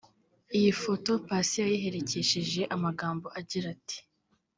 Iyi foto Paccy yayiherekesheje amagambo agira ati